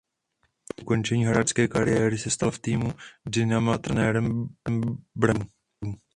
Po ukončení hráčské kariéry se stal v týmu Dynama trenérem brankářů.